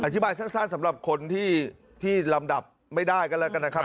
สั้นสำหรับคนที่ลำดับไม่ได้กันแล้วกันนะครับ